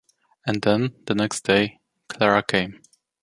And then, the next day, Clara came.